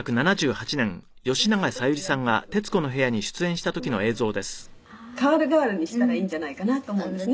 「休む時とやる時とこううまく代わる代わるにしたらいいんじゃないかなと思うんですね」